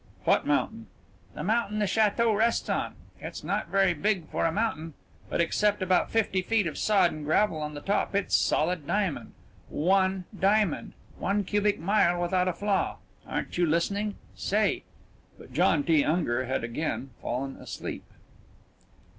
"What mountain?" "The mountain the château rests on. It's not very big, for a mountain. But except about fifty feet of sod and gravel on top it's solid diamond. One diamond, one cubic mile without a flaw. Aren't you listening? Say " But John T. Unger had again fallen asleep.